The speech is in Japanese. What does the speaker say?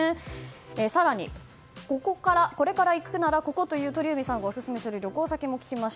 更に、これから行くならここという鳥海さんがオススメされる旅行先も聞きました。